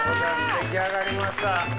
出来上がりました。